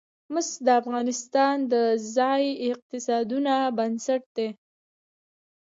مس د افغانستان د ځایي اقتصادونو بنسټ دی.